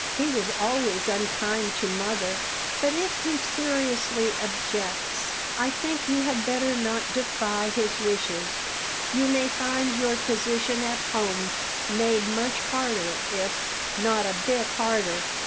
He was always unkind to mother." "But if he seriously objects, I think you had better not defy his wishes; you may find your position at home made much harder if " "Not a bit harder!"